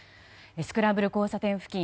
スクランブル交差点付近